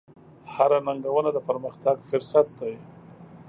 هره ننګونه د پرمختګ فرصت دی.